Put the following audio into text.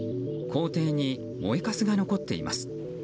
校庭に燃えかすが残っています。